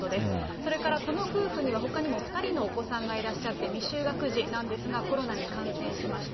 それからこの夫婦にはほかにも２人のお子さんがいらっしゃって、未就学児なんですが、コロナに感染しました。